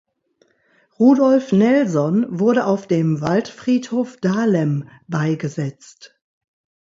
Rudolf Nelson wurde auf dem Waldfriedhof Dahlem beigesetzt.